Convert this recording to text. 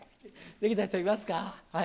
出来た人いますか？